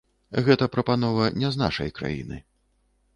Гэта прапанова не з нашай краіны.